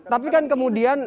tapi kan kemudian